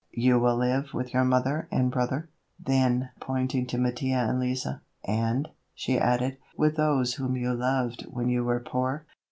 You will live with your mother and brother?" Then, pointing to Mattia and Lise, "and," she added, "with those whom you loved when you were poor."